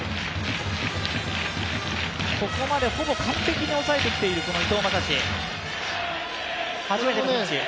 ここまでほぼ完璧に抑えてきている伊藤将司、初めてのピンチ。